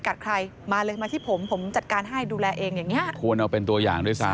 คือแค่รูปเรามาติดแค่นั้นเองแต่ว่าหมาตัวนี้อาจจะไม่โดนทำร้ายก็ได้